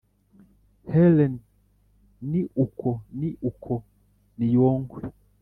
helen: ni uko, ni uko; niyonkwe.